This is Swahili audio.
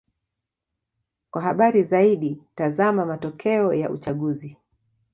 Kwa habari zaidi: tazama matokeo ya uchaguzi.